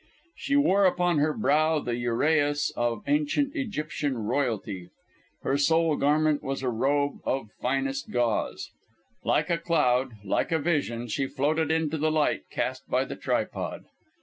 She wore upon her brow the uraeus of Ancient Egyptian royalty; her sole garment was a robe of finest gauze. Like a cloud, like a vision, she floated into the light cast by the tripod.